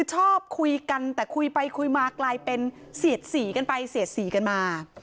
ชอบคุยกันแต่คุยไปคุยมากลายเป็นเสียดสีกันไปเสียดสีกันมา